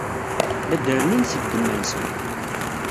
La d-rennun seg ddemma-nsen.